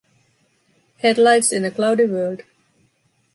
Headlights in a cloudy world.